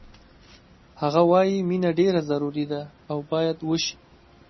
هغه وایی مینه ډېره ضروري ده او باید وشي